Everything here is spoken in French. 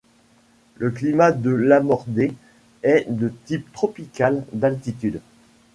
Le climat de Lamordé est de type tropical d'altitude.